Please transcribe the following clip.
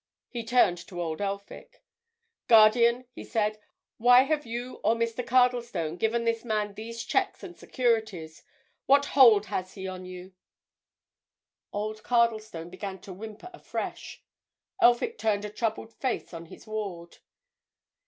He turned to old Elphick. "Guardian," he said, "why have you or Mr. Cardlestone given this man these cheques and securities? What hold has he on you?" Old Cardlestone began to whimper afresh; Elphick turned a troubled face on his ward.